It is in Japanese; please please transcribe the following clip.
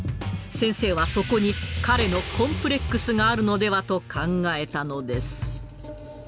先生はそこに彼のコンプレックスがあるのではと考えたのです。